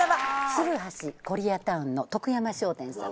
鶴橋コリアタウンの徳山商店さん。